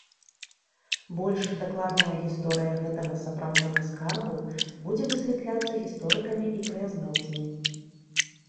Больш дакладная гісторыя гэтага сапраўднага скарбу будзе высвятляцца гісторыкамі і краязнаўцамі.